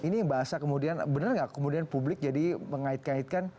ini yang bahasa kemudian benar nggak kemudian publik jadi mengait ngaitkan